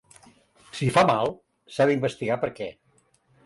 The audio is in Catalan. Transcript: Si fa mal, s’ha d’investigar per què